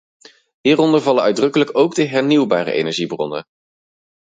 Hieronder vallen uitdrukkelijk ook de hernieuwbare energiebronnen.